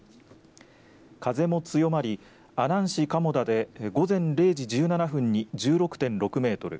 風も強まり阿南市蒲生田で午前０時１７分に１６．６メートル